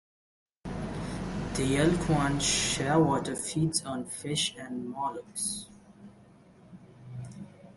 The yelkouan shearwater feeds on fish and molluscs.